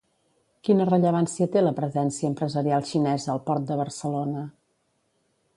Quina rellevància té la presència empresarial xinesa al port de Barcelona?